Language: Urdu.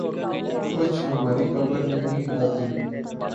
کچھ ہماری خبر نہیں آتی